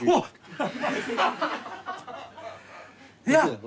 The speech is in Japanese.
いや。